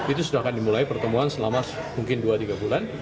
itu sudah akan dimulai pertemuan selama mungkin dua tiga bulan